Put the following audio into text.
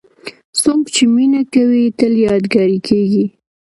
څوک چې مینه کوي، تل یادګاري کېږي.